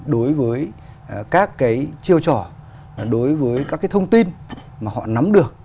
đối với các cái chiêu trò đối với các cái thông tin mà họ nắm được